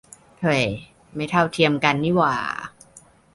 เฮ่ย ไม่เท่าเทียมกันนี่หว่า